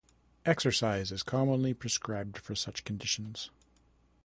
Exercise is commonly prescribed for such conditions.